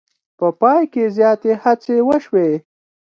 په پای کې زیاتې هڅې وشوې.